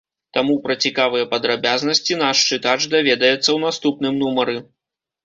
Таму пра цікавыя падрабязнасці наш чытач даведаецца ў наступным нумары.